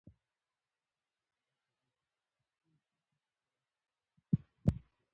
راځئ چې په ګډه دا لاره ووهو.